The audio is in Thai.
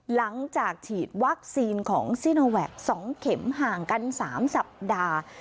หลังจากฉีดวัคซีนของซิโนแวค๒เข็มห่างกัน๓สัปดาห์